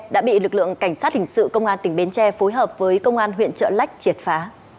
đã bị lực lượng cảnh sát hình sự công an tỉnh bến tre phối hợp với công an huyện trợ lách triệt phá